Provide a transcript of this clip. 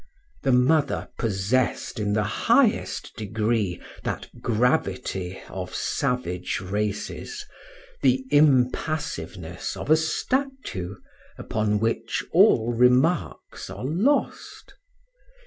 The mother possessed in the highest degree that gravity of savage races, the impassiveness of a statue upon which all remarks are lost.